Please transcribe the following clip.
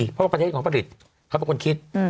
เพราะว่าประเทศของผลิตเขาเป็นคนคิด